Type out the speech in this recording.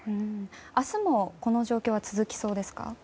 明日もこの状況は続きそうですか？